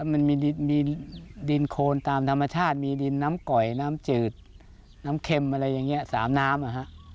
มันมีดินโคนตามธรรมชาติมีดินน้ำก่อยน้ำจืดน้ำเค็มอะไรอย่างนี้๓น้ำ